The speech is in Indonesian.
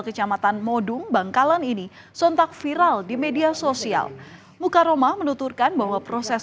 kecamatan modung bangkalan ini sontak viral di media sosial mukaroma menuturkan bahwa proses